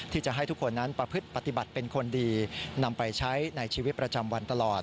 ที่จะให้ทุกคนนั้นประพฤติปฏิบัติเป็นคนดีนำไปใช้ในชีวิตประจำวันตลอด